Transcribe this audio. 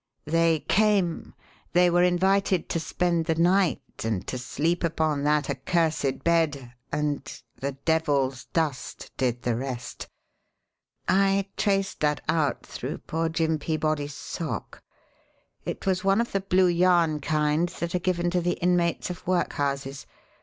They came, they were invited to spend the night and to sleep upon that accursed bed, and the devil's dust did the rest. I traced that out through poor Jim Peabody's sock. It was one of the blue yarn kind that are given to the inmates of workhouses.